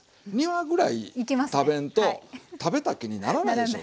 ２ワぐらい食べんと食べた気にならないでしょそうめん。